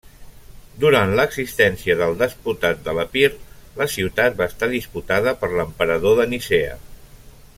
Durant l'existència del Despotat de l'Epir, la ciutat va estar disputada per l'emperador de Nicea.